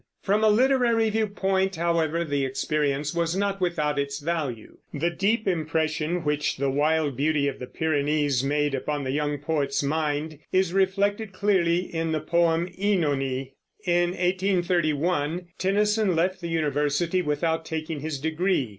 From a literary view point, however, the experience was not without its value. The deep impression which the wild beauty of the Pyrenees made upon the young poet's mind is reflected clearly in the poem "Oenone." In 1831 Tennyson left the university without taking his degree.